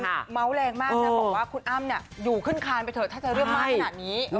เมาส์แรงมากนะบอกว่าคุณอ้ำอยู่ขึ้นคานไปเถอะถ้าจะเรื่องมากขนาดนี้